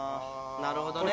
なるほどね。